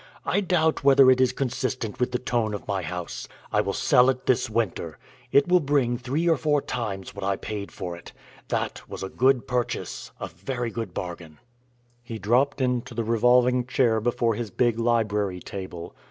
I doubt whether it is consistent with the tone of my house. I will sell it this winter. It will bring three or four times what I paid for it. That was a good purchase, a very good bargain." He dropped into the revolving chair before his big library table.